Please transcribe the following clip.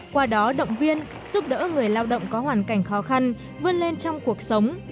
qua đó động viên giúp đỡ người lao động có hoàn cảnh khó khăn vươn lên trong cuộc sống